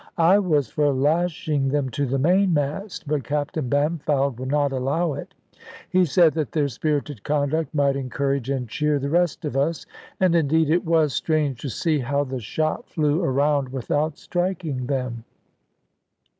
I was for lashing them to the mainmast, but Captain Bampfylde would not allow it; he said that their spirited conduct might encourage and cheer the rest of us. And indeed it was strange to see how the shot flew around without striking them.